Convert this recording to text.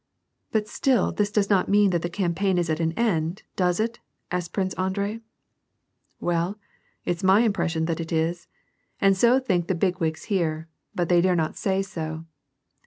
^^ But still this does not mean that the campaign is at an end, does it ?" asked Prince Andrei. "Well, it's my impression that it is. And' so think the big wigs here, but they dare not say so.